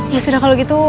ya sudah kalau gitu